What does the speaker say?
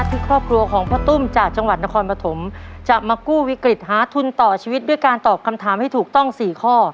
ที่ครอบครัวของพ่อตุ้มจากจังหวัดนครปฐมจะมากู้วิกฤตหาทุนต่อชีวิตด้วยการตอบคำถามให้ถูกต้อง๔ข้อ